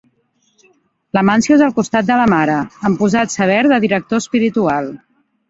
L'Amáncio és al costat de la mare, amb posat sever de director espiritual.